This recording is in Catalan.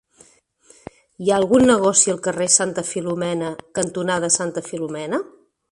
Hi ha algun negoci al carrer Santa Filomena cantonada Santa Filomena?